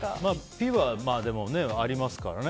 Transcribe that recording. ピッはありますからね。